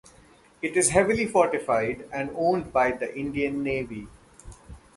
It is heavily fortified, and owned by the Indian Navy.